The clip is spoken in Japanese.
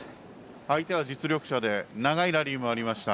相手は実力者で長いラリーもありました。